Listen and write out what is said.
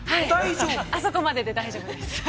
あそこまでで大丈夫です。